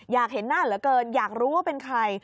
อยากเห็นหน้าเหลือเกินอยากรู้ว่าเป็นใคร